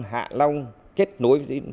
hạ long kết nối với vân đồn